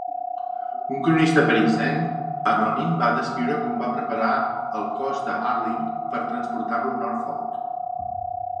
Un cronista parisenc anònim va descriure com es va preparar el cos de Harling per transportar-lo a Norfolk.